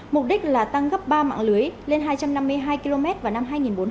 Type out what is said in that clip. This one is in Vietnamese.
mục đích là tăng gấp ba mạng lưới lên hai trăm năm mươi hai km vào năm hai nghìn bốn mươi